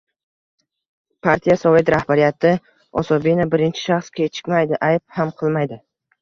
Partiya-sovet rahbariyati, osobenno, birinchi shaxs kechikmaydi, ayb ham qilmaydi!